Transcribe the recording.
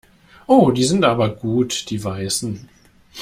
Oh, die sind aber gut die Weißen.